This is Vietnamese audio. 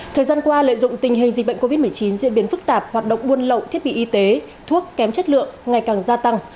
thời gian qua lợi dụng tình hình dịch bệnh covid một mươi chín diễn biến phức tạp hoạt động buôn lậu thiết bị y tế thuốc kém chất lượng ngày càng gia tăng